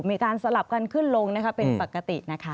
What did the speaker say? มีการสลับกันขึ้นลงนะคะเป็นปกตินะคะ